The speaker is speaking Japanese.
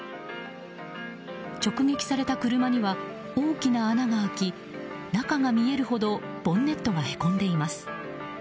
直撃された車には大きな穴が開き中が見えるほどボンネットがへこんでいます。